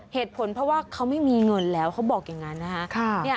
เหตุผลเพราะว่าเขาไม่มีเงินแล้วเขาบอกอย่างนั้นนะคะ